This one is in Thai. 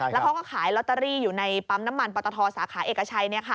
แล้วเขาก็ขายลอตเตอรี่อยู่ในปั๊มน้ำมันปตทสาขาเอกชัย